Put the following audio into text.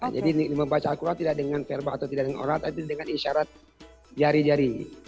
jadi membaca al quran tidak dengan verba atau tidak dengan orat tapi dengan isyarat jari jari